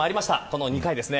この２回です。